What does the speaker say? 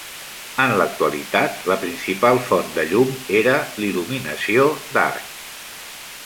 En l'actualitat, la principal font de llum era l'il·luminació d'arc.